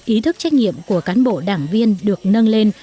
ý thức trách nhiệm của cán bộ đảng viên được nâng lên